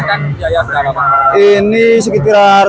nah ini sekitar satu lima ratus lah satu lima ratus ya